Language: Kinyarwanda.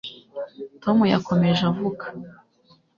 Tom yakomeje avuga